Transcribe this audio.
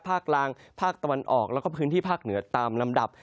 ภาคกลางภาคตะวันออกแล้วก็พื้นที่ภาคเหนือตามลำดับ